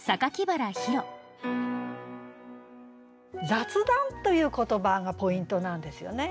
「雑談」という言葉がポイントなんですよね。